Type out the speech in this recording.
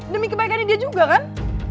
demi kebaikannya dia juga kan